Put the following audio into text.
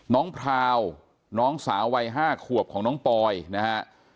พราวน้องสาววัย๕ขวบของน้องปอยนะฮะ